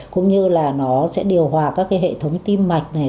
cũng như là nó sẽ điều hòa các cái hệ thống tim mạch này